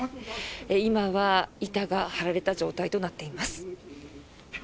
今は板が張られた状態となっています。